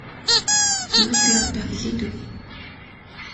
Тэгвэл би одоо хэлээд өгье.